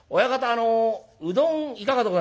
あのうどんいかがでございます？」。